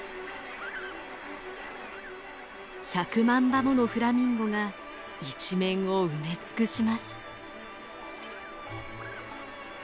１００万羽ものフラミンゴが一面を埋め尽くします。